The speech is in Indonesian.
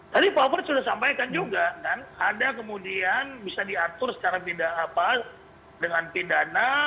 tadi pak alfred sudah sampaikan juga kan ada kemudian bisa diatur secara tidak dengan pidana